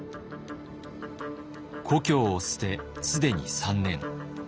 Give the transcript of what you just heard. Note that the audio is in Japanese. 「故郷を捨て既に３年。